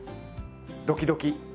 ドキドキ。